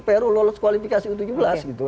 peru lolos kualifikasi u tujuh belas gitu